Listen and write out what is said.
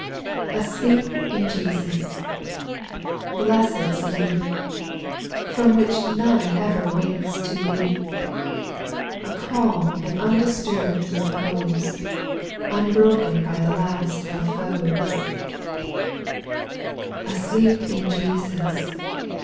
A SLEEP in Jesus ! Blessed sleep ! l\. From which none ever wakes to weep ;,~ A calm and undisturbed repose, Unbroken by the last of foes I 2. Asleep in Jesus